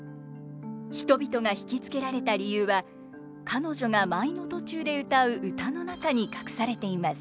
人々が引き付けられた理由は彼女が舞の途中で歌う歌の中に隠されています。